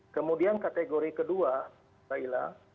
kemudian kategori kedua mbak ila